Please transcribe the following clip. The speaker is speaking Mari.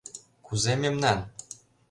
Кузе мемнан?